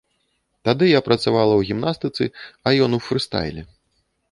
Тады я працавала ў гімнастыцы, а ён у фрыстайле.